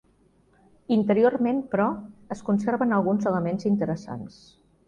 Interiorment, però, es conserven alguns elements interessants.